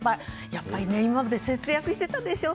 やっぱり今まで節約してたでしょ。